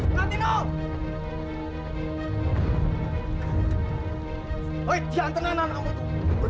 woi diantenan anakmu itu